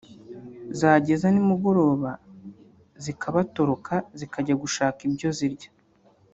zageza nimugoroba zikabatoroka zikajya gushaka ibyoi zirya